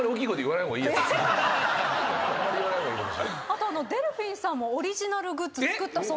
あとデルフィンさんもオリジナルグッズ作ったそうですね。